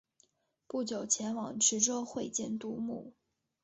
不久前往池州会见杜牧。